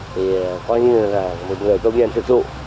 thì coi như là một người công nhân thực thụ